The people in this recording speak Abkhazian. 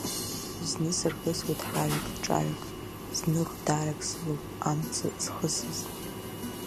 Зны сырхысуеит ҳаҩак, ҿаҩак, зны ӷдарак сылоуп амца зхысыз.